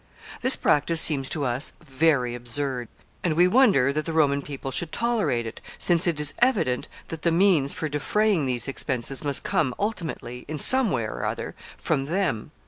This practice seems to us very absurd; and we wonder that the Roman people should tolerate it, since it is evident that the means for defraying these expenses must come, ultimately, in some way or other, from them.